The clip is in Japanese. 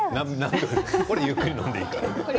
これはゆっくり飲んでいいから。